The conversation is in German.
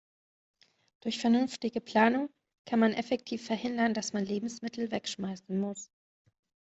Durch vernünftige Planung kann man effektiv verhindern, dass man Lebensmittel wegschmeißen muss.